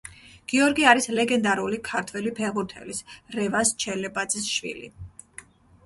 გიორგი არის ლეგენდარული ქართველი ფეხბურთელის, რევაზ ჩელებაძის შვილი.